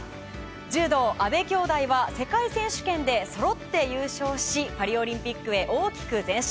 柔道、阿部兄妹は世界選手権でそろって優勝しパリオリンピックへ大きく前進。